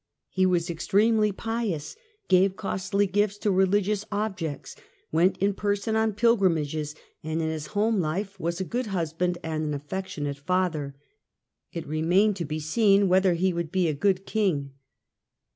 He was ex tremely pious, gave costly gifts to religious objects, went in person on pilgrimages, and in his home life was a good husband and an affectionate father. It remained to be seen whether he would be a good King.